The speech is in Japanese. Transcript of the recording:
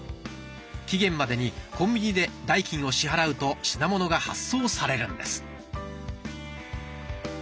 期限までにコンビニで代金を支払うと品物が発送されるんです。